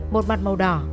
một mặt màu đỏ